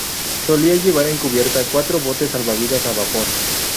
Solía llevar en cubierta cuatro botes salvavidas a vapor.